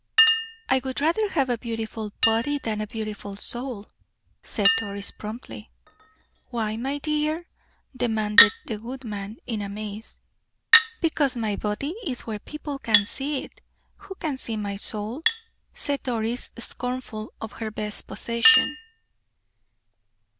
"I would rather have a beautiful body than a beautiful soul," said Doris, promptly. "Why, my dear?" demanded the good man, in amaze. "Because my body is where people can see it. Who can see my soul?" said Doris, scornful of her best possession.